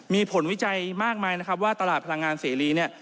มีผลวิจัยมากมายนะครับว่าตลาดพลังงานเสรีเนี่ย